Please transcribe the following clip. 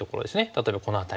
例えばこの辺り。